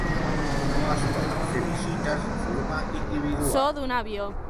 No es poden fer visites de forma individual.